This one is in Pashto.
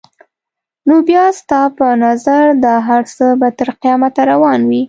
نو بیا ستا په نظر دا هر څه به تر قیامته روان وي؟